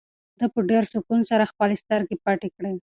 ده په ډېر سکون سره خپلې سترګې پټې کړې.